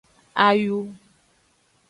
Ayu.